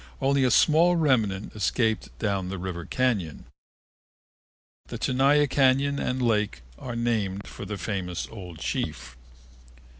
Only a small remnant escaped down the river cañon. The Tenaya Cañon and Lake were named for the famous old chief.